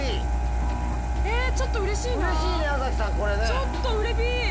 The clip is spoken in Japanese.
ちょっとうれぴー。